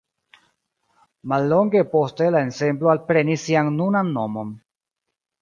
Mallonge poste la ensemblo alprenis sian nunan nomon.